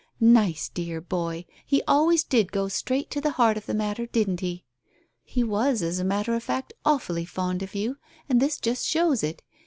Poor dear boy, he always did go straight to the heart of the matter, didn't he? He was, as a matter of fact, awfully fond of you, and this just shows it.